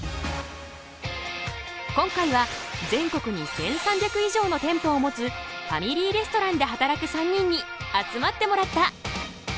今回は全国に１，３００以上の店舗を持つファミリーレストランで働く３人に集まってもらった！